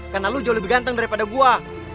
karena lo jauh lebih ganteng daripada gue